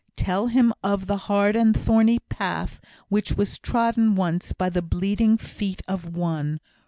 Tell him of the hard and thorny path which was trodden once by the bleeding feet of One.